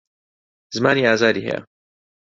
زمانی ئازاری هەیە.